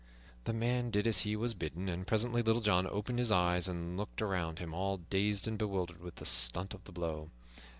The man did as he was bidden, and presently Little John opened his eyes and looked around him, all dazed and bewildered with the stun of the blow.